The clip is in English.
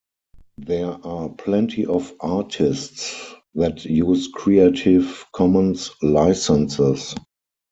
There are plenty of artists that use Creative Commons Licenses.